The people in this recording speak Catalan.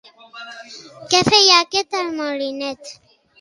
Què feia aquest al molinet?